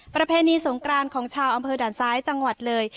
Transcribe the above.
ประเพณีสงกรานของชาวอำเภอด่านซ้ายจังหวัดเลย